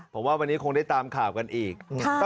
ผมว่าวันนี้คงได้ตามข่าวกันอีก